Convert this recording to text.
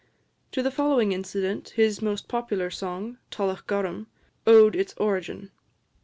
To the following incident, his most popular song, "Tullochgorum," owed its origin.